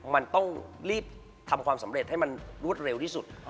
มันต้องรีบทำความสำเร็จให้มันรวดเร็วที่สุด